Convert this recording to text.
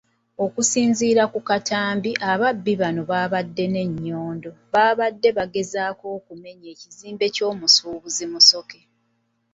Okusinziira ku Katamba, ababbi bano abaabadde ne nnyondo baabadde bagezaako kumenya kizimbe ky'omusuubuzi Musoke.